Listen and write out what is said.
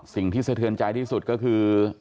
สิ่งที่สะเทือนใจที่สุดก็คือ